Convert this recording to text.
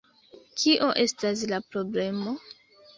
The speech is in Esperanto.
Kio estas la problemo?